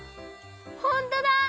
ほんとだ！